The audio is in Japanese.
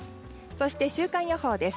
そして、週間予報です。